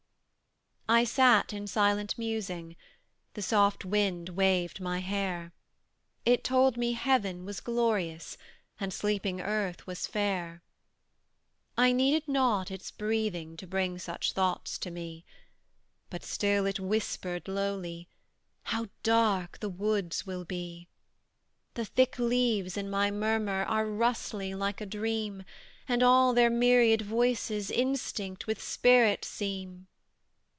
I sat in silent musing; The soft wind waved my hair; It told me heaven was glorious, And sleeping earth was fair. I needed not its breathing To bring such thoughts to me; But still it whispered lowly, How dark the woods will be! "The thick leaves in my murmur Are rustling like a dream, And all their myriad voices Instinct with spirit seem."